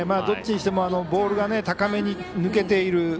どっちにしてもボールが高めに抜けている。